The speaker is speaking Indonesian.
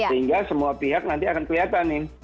sehingga semua pihak nanti akan kelihatan nih